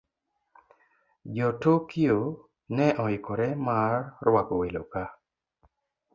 Jo - Tokyo ne oikore mar rwako welo ka